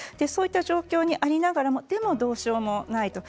そういう状況にありながらでも、どうしようもない。